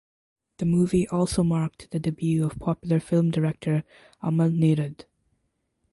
The movie also marked the debut of popular film director Amal Neerad.